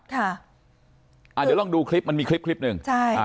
เดี๋ยวลองดูคลิปมันมีคลิปคลิปหนึ่งใช่อ่า